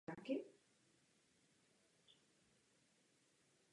Magnus v této bitvě zemřel.